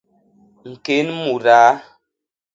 ñkén mudaa.